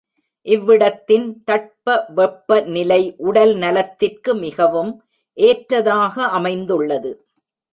இவ்விடத்தின் தட்ப வெப்ப நிலை உடல் நலத்திற்கு மிகவும் ஏற்றதாக அமைந்துள்ளது.